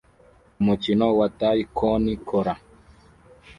Umukino wa Tae Kwon Kora